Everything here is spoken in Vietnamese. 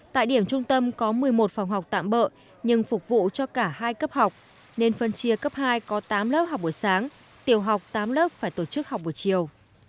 tại điểm trung tâm có một mươi một phòng học tạm bợ nhưng phục vụ cho cả hai cấp học nên phân chia cấp hai có tám lớp học buổi sáng tiểu học tám lớp phải tổ chức học buổi chiều